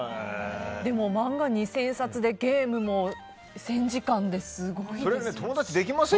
でも漫画２０００冊でゲームも１０００時間ですごいです。